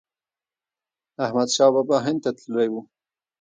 احمد شاه بابا هند ته تللی و.